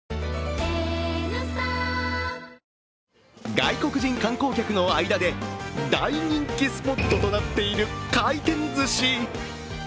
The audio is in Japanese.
外国人観光客の間で大人気スポットとなっている回転ずし。